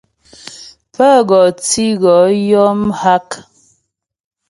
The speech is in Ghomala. Pə́ gɔ tǐ wɔ yɔ mghak.